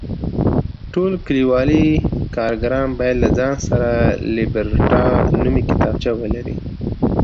ټول کلیوالي کارګران باید له ځان سره لیبرټا نومې کتابچه ولري.